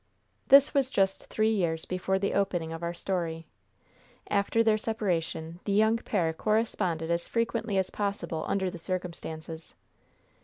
This was just three years before the opening of our story. After their separation the young pair corresponded as frequently as possible under the circumstances.